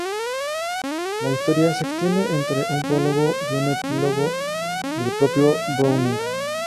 La historia se extiende entre un prólogo y un epílogo del propio Browning.